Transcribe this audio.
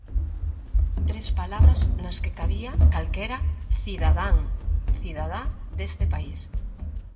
Tres palabras nas que cabía calquera cidadán, cidadá deste país.